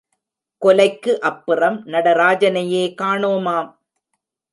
கொலைக்கு அப்புறம் நடராஜனையே காணோமாம்.